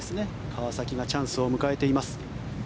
川崎がチャンスを迎えています。